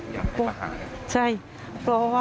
อยากให้ประหังเหรอ